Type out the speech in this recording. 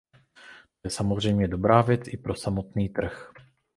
To je samozřejmě dobrá věc i pro samotný trh.